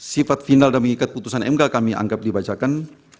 sifat final dan mengikat putusan mk kami anggap dibacakan